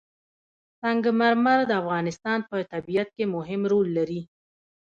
سنگ مرمر د افغانستان په طبیعت کې مهم رول لري.